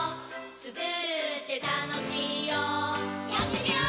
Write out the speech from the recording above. つくるってたのしいよやってみよー！